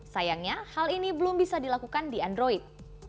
sayangnya hal ini belum bisa dilakukan di android